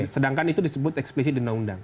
sedangkan itu disebut eksplisi undang undang